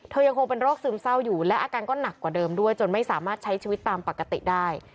ยังคงเป็นโรคซึมเศร้าอยู่และอาการก็หนักกว่าเดิมด้วยจนไม่สามารถใช้ชีวิตตามปกติได้